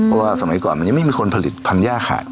เพราะว่าสมัยก่อนมันยังไม่มีคนผลิตพันย่าขาด